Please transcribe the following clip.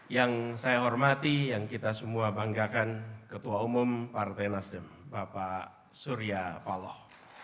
yang saya hormati yang kita semua banggakan ketua umum partai nasdem bapak surya paloh